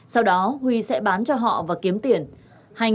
sau đó huy sẽ bán cho họ và kiếm tiền